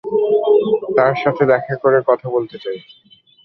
তার সাথে দেখা করে কথা বলতে চাই।